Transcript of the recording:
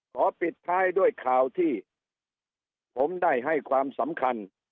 ขอปิดท้ายด้วยข่าวที่ผมได้ให้ความสำคัญ